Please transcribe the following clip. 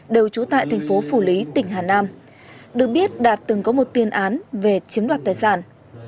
đều trú tại thành phố phủ lý tỉnh hà nam được biết đạt từng có một tiên án về chiếm đoạt tài sản